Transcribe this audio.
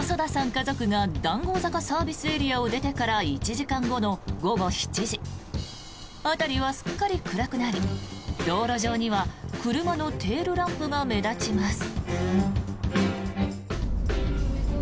家族が談合坂ＳＡを出てから１時間後の午後７時辺りはすっかり暗くなり道路上には車のテールランプが目立ちます。